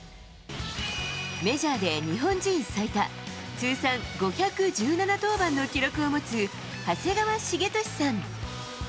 メジャーで日本人最多、通算５１７登板の記録を持つ、長谷川滋利さん。